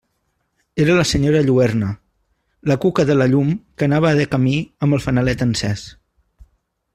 Era la senyora Lluerna, la cuca de la llum que anava de camí amb el fanalet encés.